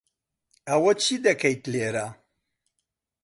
ئەوە چی دەکەیت لێرە؟